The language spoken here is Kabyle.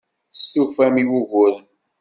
Testufam i wuguren.